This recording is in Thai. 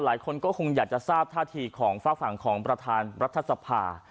หลายคนคงอยากทราบท่าถี่กลองฟากฝั่งของประธานรัฐศัพทร์